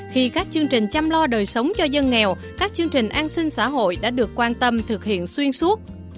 khi các chương trình chăm lo đời sống cho dân nghèo các chương trình an sinh xã hội đã được quan tâm thực hiện xuyên suốt